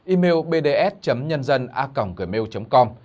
email bds nhân dân a gmail com